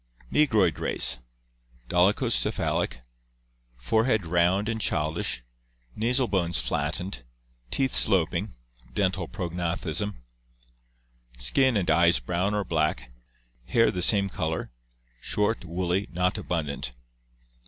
Negroid race: dolichocephalic, forehead round and childish, nasal bones flattened, teeth sloping (dental prognathism); skin and eyes brown or black, hair the same color, short, wpolly, not abundant.